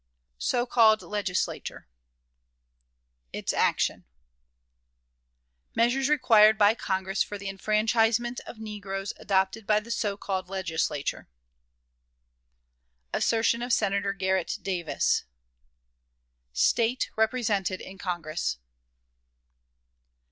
So called Legislature. Its Action. Measures required by Congress for the Enfranchisement of Negroes adopted by the So called Legislature. Assertion of Senator Garret Davis. State represented in Congress.